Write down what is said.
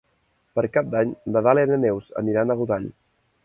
Per Cap d'Any na Dàlia i na Neus aniran a Godall.